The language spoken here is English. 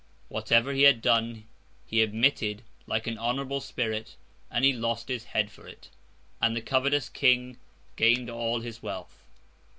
Whatever he had done he admitted, like an honourable spirit; and he lost his head for it, and the covetous King gained all his wealth.